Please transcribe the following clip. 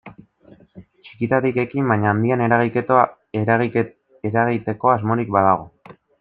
Txikitik ekin baina handian eragiteko asmorik badago.